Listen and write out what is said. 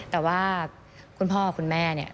แต่ว่าคุณพ่อคุณแม่เนี่ย